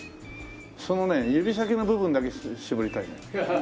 そのね指先の部分だけ絞りたいのよ。